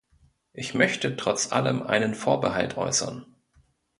Ich möchte trotz allem einen Vorbehalt äußern.